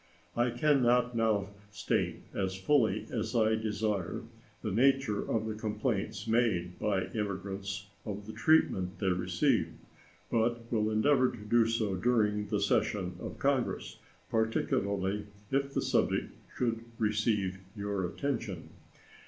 I can not now state as fully as I desire the nature of the complaints made by immigrants of the treatment they receive, but will endeavor to do so during the session of Congress, particularly if the subject should receive your attention.